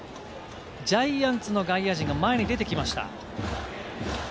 ジャイアンツの外野陣が前に出てきました。